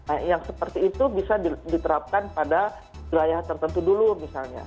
nah yang seperti itu bisa diterapkan pada wilayah tertentu dulu misalnya